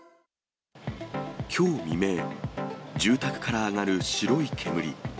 きょう未明、住宅から上がる白い煙。